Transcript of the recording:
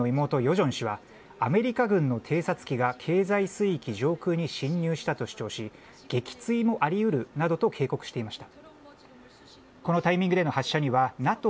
正氏はアメリカ軍の偵察機が経済水域上空に侵入したと主張し撃墜もあり得るなどと警告していました。